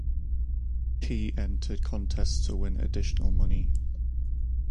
He entered contests to win additional money.